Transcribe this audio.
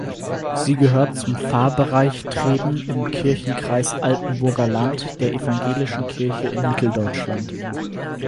Sie gehört zum Pfarrbereich Treben im Kirchenkreis Altenburger Land der Evangelischen Kirche in Mitteldeutschland.